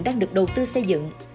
đang được đầu tư xây dựng